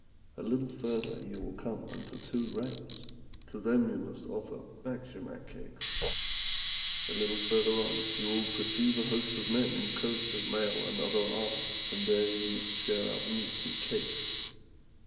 A little further you will come unto two rams, to them you must offer batschimak cakes. A little further on you will perceive a host of men in coats of mail and other armour, and there you must share out meat and cakes.